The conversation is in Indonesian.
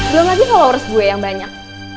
belum lagi kalau urus gue yang banyak